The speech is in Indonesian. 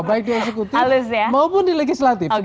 baik di eksekutif maupun di legislatif